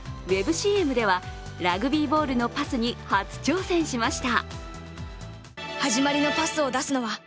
ＣＭではラグビーボールのパスに初挑戦しました。